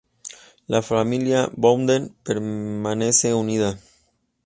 La familia Bowden permanece unida.